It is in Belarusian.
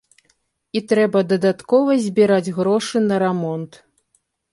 І трэба дадаткова збіраць грошы на рамонт.